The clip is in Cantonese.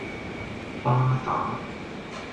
巴打